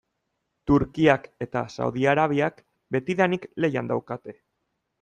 Turkiak eta Saudi Arabiak betidanik lehian daukate.